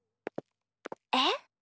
えっ？